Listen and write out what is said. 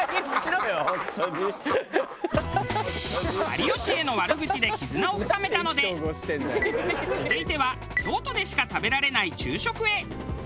有吉への悪口で絆を深めたので続いては京都でしか食べられない昼食へ。